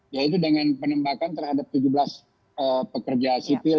yaitu dengan penembakan terhadap tujuh belas pekerja sipil